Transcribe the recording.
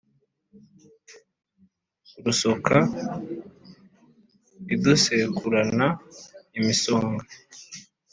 Rusoka idusekurana imisonga